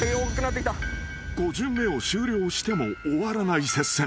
［５巡目を終了しても終わらない接戦］